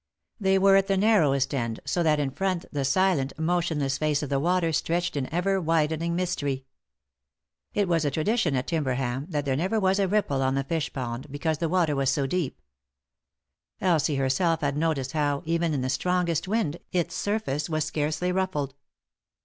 They were at the nar rowest end, so that in front the silent, motionless nice of the water stretched in ever widening mystery. It was a tradition at Timberham that there never was a ripple on the fishpond because the water was so deep. Elsie herself had noticed how, even in the strongest wind, its surface was scarcely ruffled.